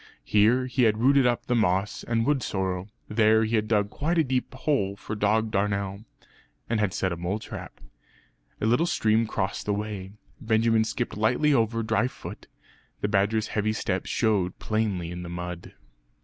Here he had rooted up the moss and wood sorrel. There he had dug quite a deep hole for dog darnel; and had set a mole trap. A little stream crossed the way. Benjamin skipped lightly over dry foot; the badger's heavy steps showed plainly in the mud.